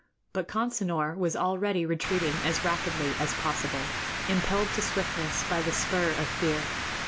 But Consinor was already retreating as rapidly as possible, impelled to swiftness by the spur of fear.